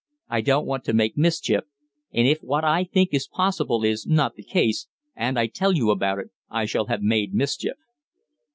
"I don't want to make mischief, and if what I think is possible is not the case, and I tell you about it, I shall have made mischief."